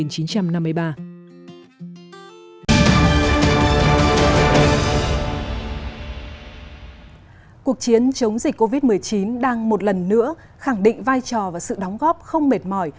cuộc chiến chống dịch covid một mươi chín đang một lần nữa khẳng định vai trò và sự đóng góp không mệt mỏi